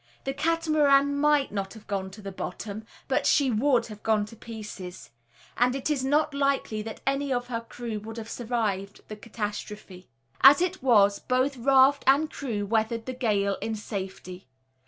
The Catamaran might not have gone to the bottom, but she would have gone to pieces; and it is not likely that any of her crew would have survived the catastrophe. As it was, both raft and crew weathered the gale in safety.